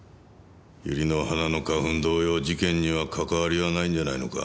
ユリの花の花粉同様事件にはかかわりはないんじゃないのか？